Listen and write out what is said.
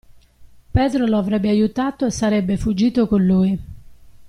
Pedro lo avrebbe aiutato e sarebbe fuggito con lui.